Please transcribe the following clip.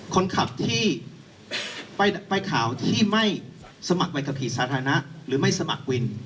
คนขับที่ไปข่าวที่ไม่สมัครไปขับขี่สาธารณะหรือไม่สมัครวิน